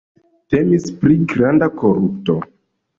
Temis pri granda korupto.